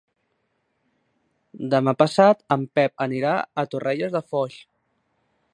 Demà passat en Pep anirà a Torrelles de Foix.